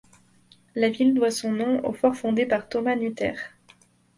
La ville doit son nom au fort fondé par Thomas Nutter.